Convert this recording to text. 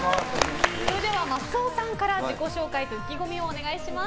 松尾さんから自己紹介と意気込みをお願いします。